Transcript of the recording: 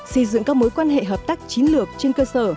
xây dựng các mối quan hệ hợp tác chiến lược trên cơ sở